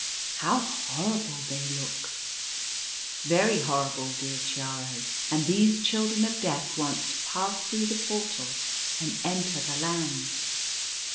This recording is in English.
" How horrible they look !"" Very horrible, dear Chiaro ; and these Children of Death want to pass through the Portal and enter the Land."